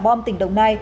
bom tỉnh đồng nai